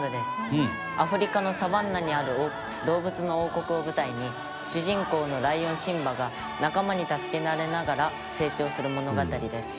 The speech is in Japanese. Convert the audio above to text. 「アフリカのサバンナにある動物の王国を舞台に主人公のライオンシンバが仲間に助けられながら成長する物語です」